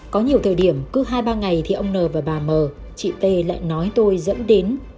có nhiều thời điểm cứ hai ba ngày thì ông n và bà mờ chị t lại nói tôi dẫn đến